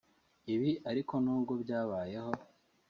Ibi ariko n’ubwo byabayeho